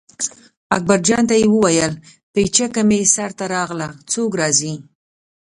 اکبرجان ته یې وویل پیڅکه مې سر ته راغله څوک راځي.